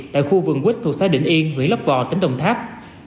tại khu vườn quýt thuộc xã định yên huy lấp vò tỉnh đồng tháp